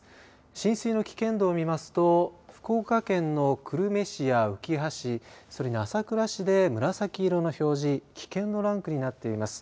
浸水の危険度を見ますと福岡県の久留米市やうきは市、それに朝倉市で紫色の表示危険のランクになっています。